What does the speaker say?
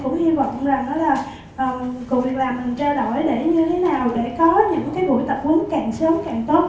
tuy nhiên là em cũng hy vọng là cuộc việc làm mình trao đổi để như thế nào để có những buổi tập huấn càng sớm càng tốt